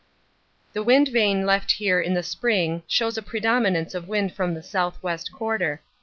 The wind vane left here in the spring shows a predominance of wind from the S.W. quarter.